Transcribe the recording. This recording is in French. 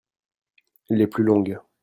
Les plus longues.